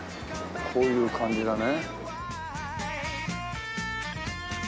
こういう感じだね。